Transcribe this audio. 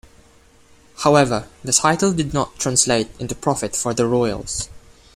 However, the title did not translate into profit for the Royals.